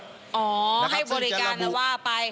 อ๋อให้บริการแล้วว่าไป